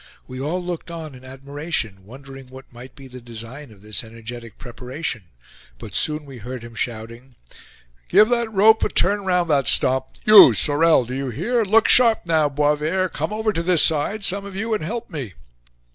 We all looked on in admiration, wondering what might be the design of this energetic preparation; but soon we heard him shouting: "Give that rope a turn round that stump! You, Sorel: do you hear? Look sharp now, Boisverd! Come over to this side, some of you, and help me!"